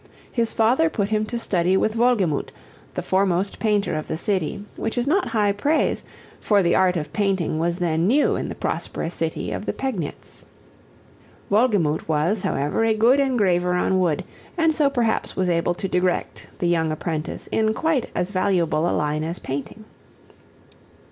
His father put him to study with Wolgemut, the foremost painter of the city, which is not high praise, for the art of painting was then new in the prosperous city of the Pegnitz. Wolgemut was, however, a good engraver on wood and so perhaps was able to direct the young apprentice in quite as valuable a line as painting.